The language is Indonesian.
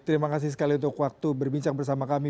terima kasih sekali untuk waktu berbincang bersama kami